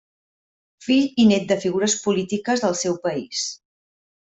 Fill i nét de figures polítiques del seu país.